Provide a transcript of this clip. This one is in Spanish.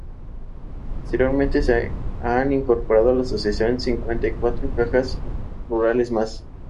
Posteriormente se han incorporado a la asociación cincuenta y cuatro Cajas Rurales más.